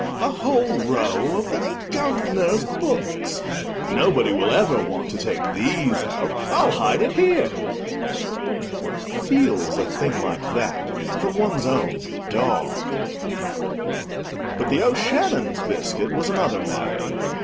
a whole row of the Guv'nor's books. Nobody will ever want to take these out; I'll hide it here." One feels a thing like that from one's own dog. But The O'Shannon's biscuit was another matter.